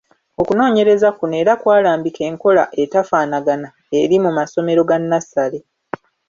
Okunoonyereza kuno era kwalambika enkola atafaanagana eri mu masomero ga nnassale.